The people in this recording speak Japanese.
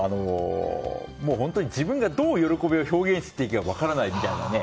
自分がどう喜びを表現していいか分からないみたいなね。